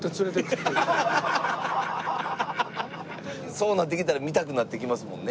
そうなってきたら見たくなってきますもんね。